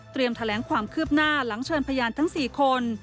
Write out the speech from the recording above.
แถลงความคืบหน้าหลังเชิญพยานทั้ง๔คน